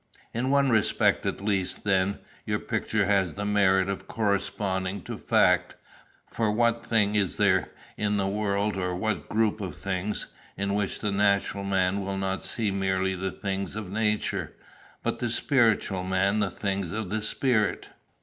"In one respect at least, then, your picture has the merit of corresponding to fact; for what thing is there in the world, or what group of things, in which the natural man will not see merely the things of nature, but the spiritual man the things of the spirit?"